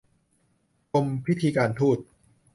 กรมพิธีการทูต